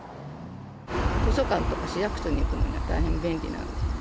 図書館とか市役所に行くのには大変便利なので。